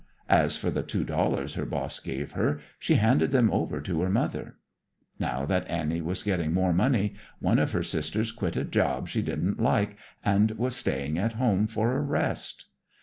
As for the two dollars her boss gave her, she handed them over to her mother. Now that Annie was getting more money, one of her sisters quit a job she didn't like and was staying at home for a rest.